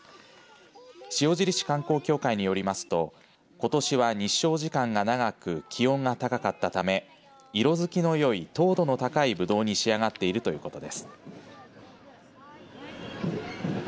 塩尻市観光協会によりますとことしは日照時間が長く気温が高かったため色づきのよい糖度の高いブドウに仕上がっているということです。